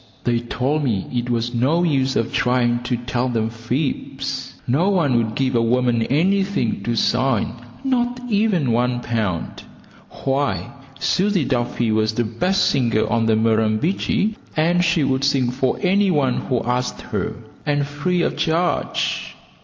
They told me it was no use of me trying to tell them fibs. No one would give a woman anything to sing, not even one pound. Why, Susie Duffy was the best singer on the Murrumbidgee, and she would sing for any one who asked her, and free of charge.